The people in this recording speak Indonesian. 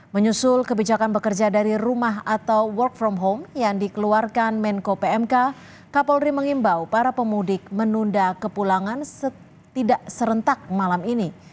menyusul kebijakan bekerja dari rumah atau work from home yang dikeluarkan menko pmk kapolri mengimbau para pemudik menunda kepulangan tidak serentak malam ini